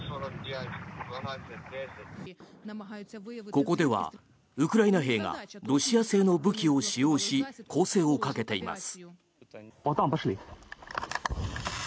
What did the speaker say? ここではウクライナ兵がロシア製の武器を使用し攻勢をかけています。